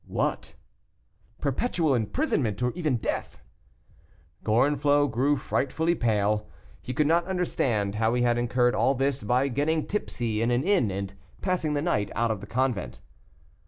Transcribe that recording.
"What?" "Perpetual imprisonment, or even death." Gorenflot grew frightfully pale; he could not understand how he had incurred all this by getting tipsy in an inn, and passing the night out of the convent.